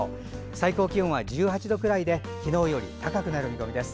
最高気温は１８度くらいで昨日より高くなる見込みです。